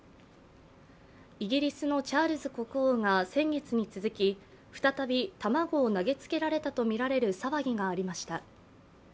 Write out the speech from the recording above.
イギリスのチャールズ国王が先月に続き再び卵を投げつけられたとみられる騒ぎがありました。